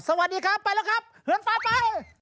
สวัสดีครับไปแล้วครับเหินฟ้าไป